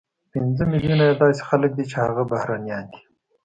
پنځه ملیونه یې داسې خلک دي چې هغه بهرنیان دي،